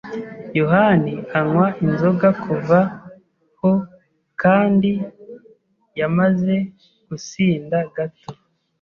yohani anywa inzoga kuva h kandi yamaze gusinda gato.